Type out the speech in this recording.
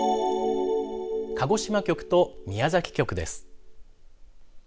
鹿児島局と宮崎局です。